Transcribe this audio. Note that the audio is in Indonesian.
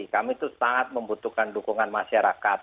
kami itu sangat membutuhkan dukungan masyarakat